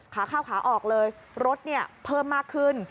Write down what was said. ขาเข้าขาออกเลยรถเพิ่มมากขึ้น